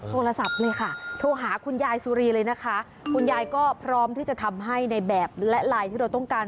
โทรศัพท์เลยค่ะโทรหาคุณยายสุรีเลยนะคะคุณยายก็พร้อมที่จะทำให้ในแบบและไลน์ที่เราต้องการ